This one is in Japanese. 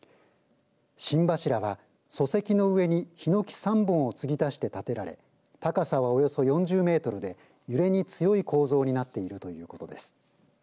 心柱は礎石の上にひのき３本を継ぎ足して建てられ高さは、およそ４０メートルで揺れに強い構造になっているということです。